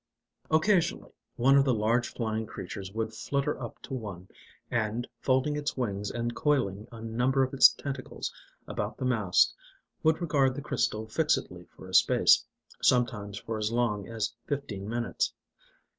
Occasionally one of the large flying creatures would flutter up to one, and, folding its wings and coiling a number of its tentacles about the mast, would regard the crystal fixedly for a space, sometimes for as long as fifteen minutes.